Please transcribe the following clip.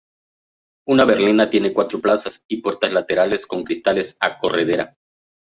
Una berlina tiene cuatro plazas y puertas laterales con cristales a corredera.